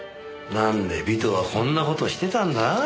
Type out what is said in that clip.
なんで尾藤はこんな事してたんだ？